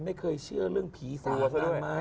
ไม่เคยเชื่อเรื่องผีสางนางไม้